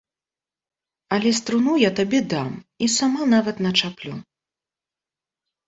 Але струну я табе дам і сама нават начаплю.